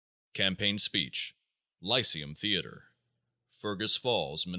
Campaign Speech, Lyceum Theatre, Fergus Falls, Minn.